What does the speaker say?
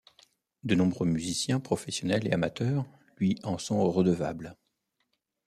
De nombreux musiciens professionnels et amateurs lui en sont redevables.